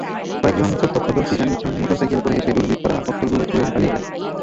কয়েকজন প্রত্যক্ষদর্শী জানিয়েছেন, মোটরসাইকেলে করে এসে দুর্বৃত্তরা ককটেলগুলো ছুড়ে পালিয়ে যায়।